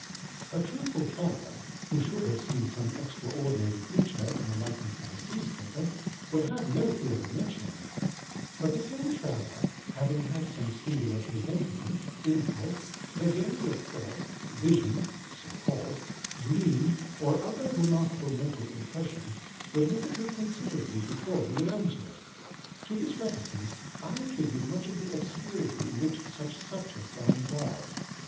A truthful traveller, who should have seen some extraordinary creature in the likeness of a sea serpent, would have no fear of mentioning it; but the same traveller, having had some singular presentiment, impulse, vagary of thought, vision (so called), dream, or other remarkable mental impression, would hesitate considerably before he would own to it. To this reticence I attribute much of the obscurity in which such subjects are involved.